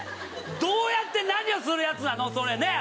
どうやって何をするやつなの？ねぇ！